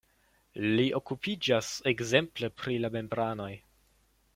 Li okupiĝas ekzemple pri la membranoj.